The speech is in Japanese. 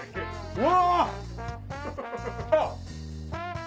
うわ！